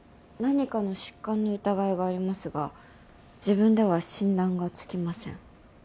何かの疾患の疑いがありますが自分では診断がつきません。